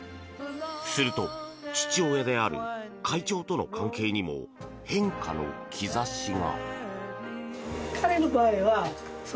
すると、父親である会長との関係にも変化の兆しが。